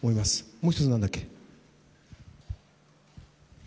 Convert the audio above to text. もう１つ、何だっけ？